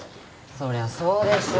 そりゃそうでしょ